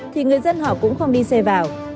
thì người dân họ cũng không đi xe vào